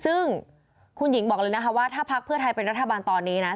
ซึ่งคุณหญิงบอกเลยนะคะว่าถ้าพักเพื่อไทยเป็นรัฐบาลตอนนี้นะ